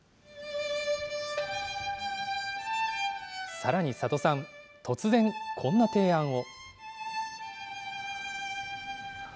さらに佐渡さん、突然、こんな提案を。